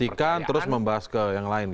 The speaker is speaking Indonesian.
memastikan terus membahas ke yang lain